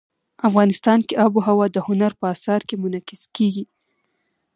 افغانستان کې آب وهوا د هنر په اثار کې منعکس کېږي.